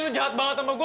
lu jahat banget sama gua